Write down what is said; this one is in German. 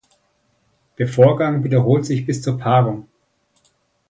Der Vorgang wiederholt sich bis zur Paarung.